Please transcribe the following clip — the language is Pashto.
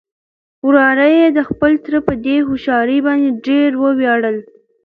وراره يې د خپل تره په دې هوښيارۍ باندې ډېر ووياړل.